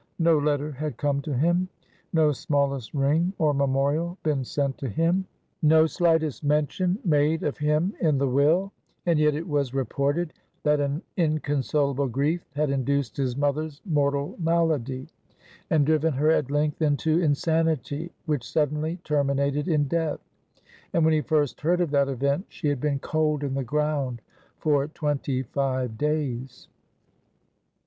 No letter had come to him; no smallest ring or memorial been sent him; no slightest mention made of him in the will; and yet it was reported that an inconsolable grief had induced his mother's mortal malady, and driven her at length into insanity, which suddenly terminated in death; and when he first heard of that event, she had been cold in the ground for twenty five days.